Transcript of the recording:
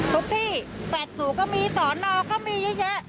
ทุกที่แผ่นหนูก็มีสอนนอกก็มีเยอะ